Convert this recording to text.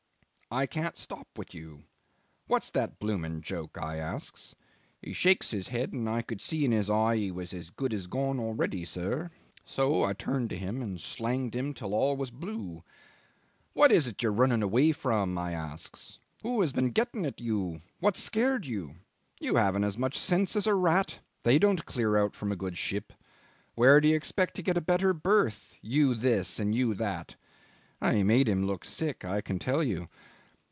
'I can't stop with you.' 'What's that blooming joke?' I asks. He shakes his head, and I could see in his eye he was as good as gone already, sir. So I turned to him and slanged him till all was blue. 'What is it you're running away from?' I asks. 'Who has been getting at you? What scared you? You haven't as much sense as a rat; they don't clear out from a good ship. Where do you expect to get a better berth? you this and you that.' I made him look sick, I can tell you.